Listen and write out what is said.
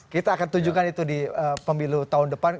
kita akan tunjukkan itu di pemilu tahun depan